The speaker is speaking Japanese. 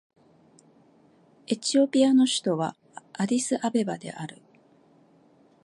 エチオピアの首都はアディスアベバである